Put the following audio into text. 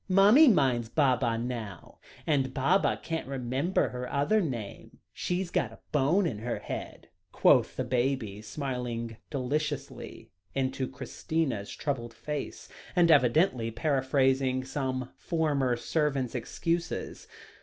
Mummy minds Baba now, and Baba can't remember her other name. She's got a bone in her head," quoth the baby, smiling deliciously into Christina's troubled face, and evidently paraphrasing some former servant's excuses.